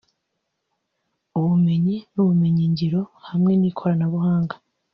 ubumenyi n’ubumenyingiro hamwe n’ikoranabuhanga